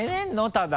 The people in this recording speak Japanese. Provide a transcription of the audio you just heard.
ただ。